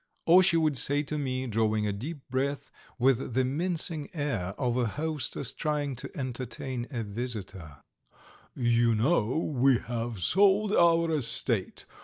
Or she would say to me, drawing a deep breath, with the mincing air of a hostess trying to entertain a visitor: "You know we have sold our estate.